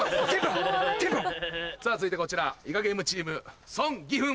続いてこちら『イカゲーム』チームソン・ギフン。